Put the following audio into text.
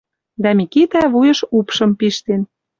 Дӓ Микитӓ вуйыш упшым пиштен